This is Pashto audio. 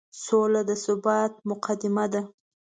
سوله د ثبات مقدمه ده.